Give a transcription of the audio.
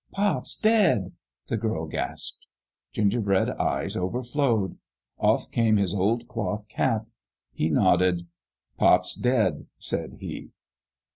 " Pop's dead 1 " the girl gasped. Gingerbread's eyes overflowed. Off came his old cloth cap. He nodded. " Pop's dead," said he.